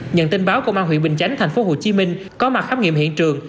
nhận tin báo công an huyện bình chánh tp hcm có mặt khám nghiệm hiện trường